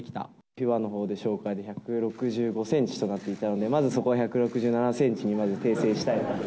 フィバの紹介で１６５センチとなっていたので、まずそこは１６７センチにまず訂正したいなと。